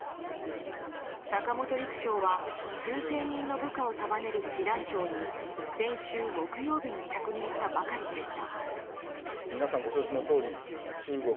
坂本陸将は数千人の部下を束ねる師団長に先週木曜日に着任したばかりでした。